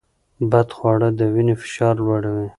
بدخواړه د وینې فشار لوړوي.